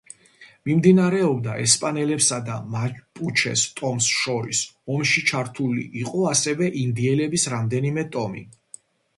მიმდინარეობდა ესპანელებსა და მაპუჩეს ტომს შორის, ომში ჩართული იყო ასევე ინდიელების რამდენიმე ტომი.